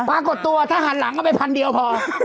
ปรากฏตัวถ้าหันหลังเอาไปพันเดียวพอ